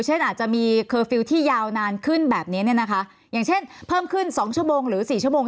อาจจะมีเคอร์ฟิลล์ที่ยาวนานขึ้นแบบนี้เนี่ยนะคะอย่างเช่นเพิ่มขึ้น๒ชั่วโมงหรือสี่ชั่วโมง